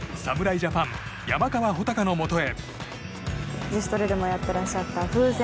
ジャパン山川穂高のもとへ。